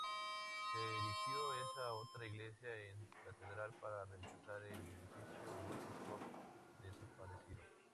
Se erigió esa otra iglesia en catedral para reemplazar el edificio gótico desaparecido.